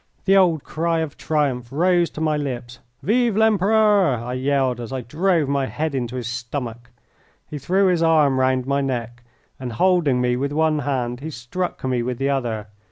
The old cry of triumph rose to my lips. "Vive l'Empereur!" I yelled as I drove my head into his stomach. He threw his arm round my neck, and holding me with one hand he struck me with the other.